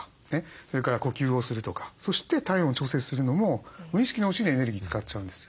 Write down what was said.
それから呼吸をするとかそして体温を調節するのも無意識のうちにエネルギー使っちゃうんです。